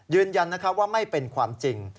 ยืนยันว่าไม่เป็นความจริง